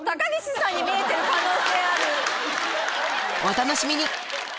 お楽しみに！